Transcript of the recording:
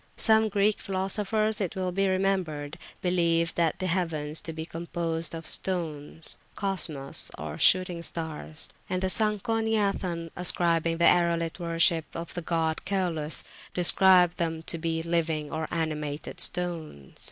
Some Greek philosophers, it will be remembered, believed the heavens to be composed of stones (Cosmos, Shooting Stars): and Sanconiathon, ascribing the aerolite worship to the god Clus, declares them to be living or animated stones.